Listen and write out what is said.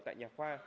tại nhà khoa